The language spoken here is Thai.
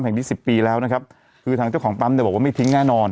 สิบสิบปีแล้วนะครับคือทางเจ้าของปั๊มเนี่ยบอกว่าไม่ทิ้งแน่นอน